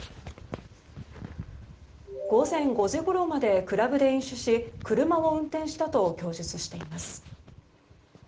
午前５時ごろまでクラブで飲酒し車を運転したと供述しています。